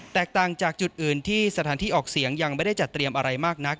แตกต่างจากจุดอื่นที่สถานที่ออกเสียงยังไม่ได้จัดเตรียมอะไรมากนัก